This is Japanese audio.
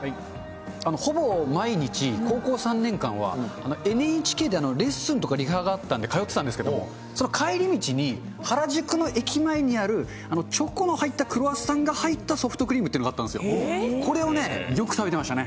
ほぼ毎日、高校３年間は、ＮＨＫでレッスンとかリハがあったんで通ってたんですけれども、その帰り道に、原宿の駅前にあるチョコの入ったクロワッサンが入ったソフトクリームっていうのがあったんですよ、これをね、よく食べてましたね。